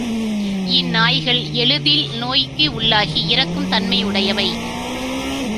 இந் நாய்கள் எளிதில் நோய்க்குள்ளாகி இறக்கும் தன்மையுடையவை.